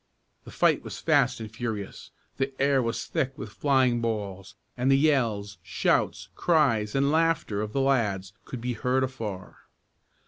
The fight was fast and furious. The air was thick with flying balls; and the yells, shouts, cries, and laughter of the lads could be heard afar.